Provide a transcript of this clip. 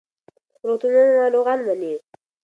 روغتونونه ناروغان مني.